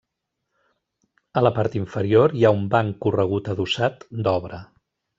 A la part inferior hi ha un banc corregut adossat, d'obra.